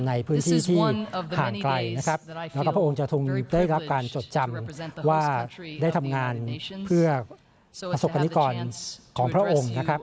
ในพื้นที่ที่ผ่านไกลนะครับ